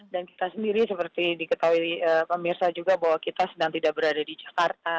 dan kita sendiri seperti diketahui pemirsa juga bahwa kita sedang tidak berada di jakarta